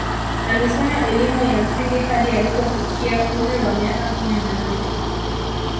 Alisoma elimu ya msingi hadi alipofikia umri wa miaka kumi na nne